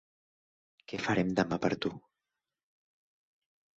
Què farem demà per tu?